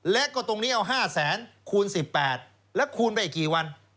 แล้วก็ตรงนี้เอาห้าแสนคูณสิบแปดแล้วคูณไปกี่วัน